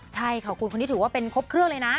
ใช่ค่ะคุณคนนี้ถือว่าเป็นครบเครื่องเลยนะ